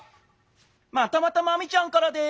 またまたマミちゃんからです。